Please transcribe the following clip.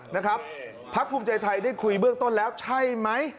นะครับพักภูมิใจไทยได้คุยเบื้องต้นแล้วใช่ไหม